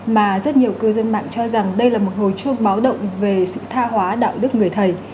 mà rất nhiều cư dân mạng cho rằng đây là một hồi chuông báo động về sự tha hóa đạo đức người thầy